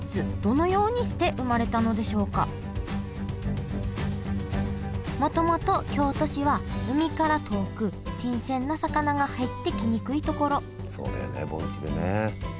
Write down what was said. ではもともと京都市は海から遠く新鮮な魚が入ってきにくい所そうだよね盆地でね。